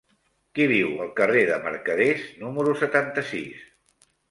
Qui viu al carrer de Mercaders número setanta-sis?